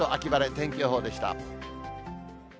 天気予報でした。